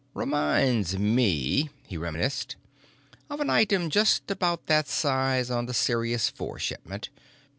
Reminds me," he reminisced, "of an item just about that size on the Sirius IV shipment.